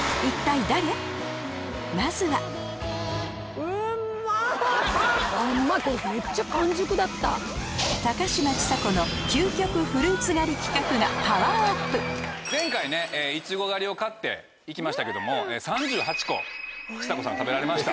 まずは高嶋ちさ子の前回いちご狩りを狩って行きましたけども３８個ちさ子さん食べられました。